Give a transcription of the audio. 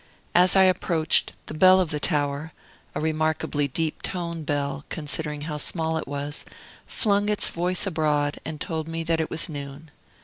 As I approached, the bell of the tower (a remarkably deep toned bell, considering how small it was) flung its voice abroad, and told me that it was noon.